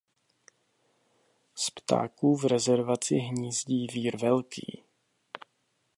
Z ptáků v rezervaci hnízdí výr velký.